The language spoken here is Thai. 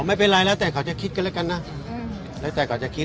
ผมไม่เป็นไรแล้วแต่เขาจะคิดกันแล้วกันนะอือยังไงก่อนจะคิด